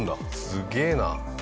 すげえな！